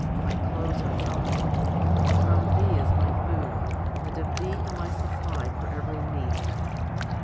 My clothes are Thine. From Thee is my food, and of Thee am I supplied for every need."